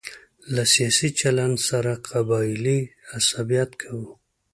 له سیاسي چلن سره قبایلي عصبیت کوو.